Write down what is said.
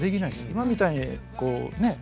今みたいにこうね